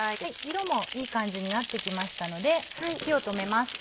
色もいい感じになって来ましたので火を止めます。